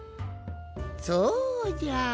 そうじゃ。